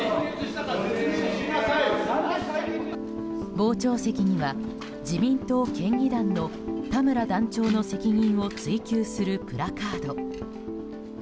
傍聴席には自民党県議団の田村団長の責任を追及するプラカード。